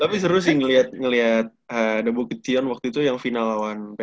tapi seru sih ngeliat ngeliat ada bukit sion waktu itu yang final lawan ppt